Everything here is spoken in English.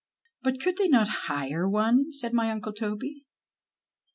" But could they not hire one ?" said my nnc\e Toby.